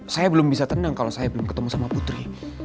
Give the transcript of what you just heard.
saya belum bisa tenang kalau saya belum ketemu sama putri